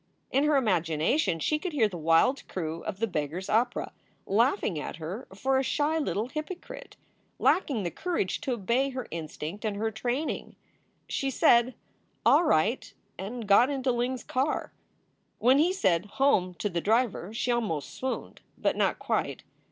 In her imagination she could hear the wild crew of the "Beg gar s Opera" laughing at her for a shy little hypocrite. Lacking the courage to obey her instinct and her training, she said, "All right," and got into Ling s car. When he said, "Home," to the driver she almost swooned, but not quite.